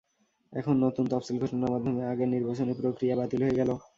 এখন নতুন তফসিল ঘোষণার মাধ্যমে আগের নির্বাচনী প্রক্রিয়া বাতিল হয়ে গেল।